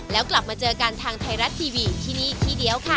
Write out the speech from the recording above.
แล้วกลับมาเจอกันทางไทยรัฐทีวีที่นี่ที่เดียวค่ะ